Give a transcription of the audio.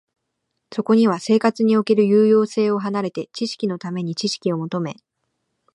そこには生活における有用性を離れて、知識のために知識を求め、